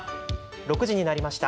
６時になりました。